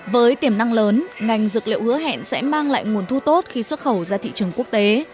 với tiềm năng lớn ngành dược liệu hứa hẹn sẽ mang lại nguồn thu tốt khi xuất khẩu ra thị trường quốc tế